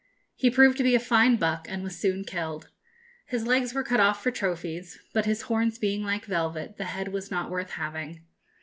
He proved to be a fine buck, and was soon killed. His legs were cut off for trophies, but, his horns being like velvet, the head was not worth having.